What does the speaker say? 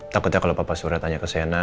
takutnya kalau papa surya tanya ke sienna